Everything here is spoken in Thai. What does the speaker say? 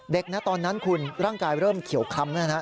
เด็กนะตอนนั้นคุณร่างกายเริ่มเขียวคล้ำนะครับ